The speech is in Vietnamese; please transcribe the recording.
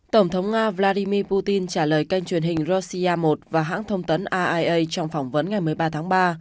tổng thống nga vladimir putin trả lời kênh truyền hình rossia một và hãng thông tấn aia trong phỏng vấn ngày một mươi ba tháng ba